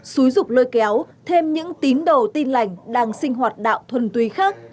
xúi rục lôi kéo thêm những tín đồ tin lành đang sinh hoạt đạo thuần túy khác